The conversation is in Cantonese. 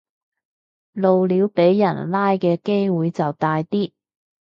露鳥俾人拉嘅機會就大啲